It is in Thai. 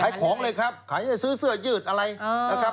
ของเลยครับขายจะซื้อเสื้อยืดอะไรนะครับ